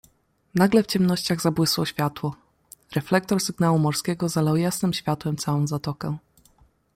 "Nagle w ciemnościach zabłysło światło; reflektor sygnału morskiego zalał jasnem światłem całą zatokę."